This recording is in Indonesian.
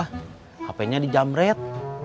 hpnya di jamret